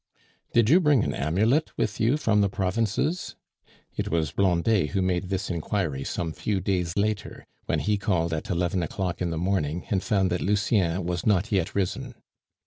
"Did you bring an amulet with you from the provinces?" It was Blondet who made this inquiry some few days later, when he called at eleven o'clock in the morning and found that Lucien was not yet risen.